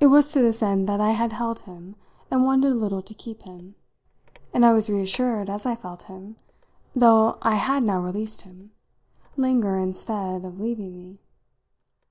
It was to this end I had held him and wanted a little to keep him, and I was reassured as I felt him, though I had now released him, linger instead of leaving me.